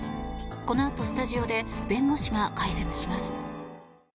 このあとスタジオで弁護士が解説します。